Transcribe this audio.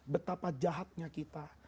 betapa jahatnya kita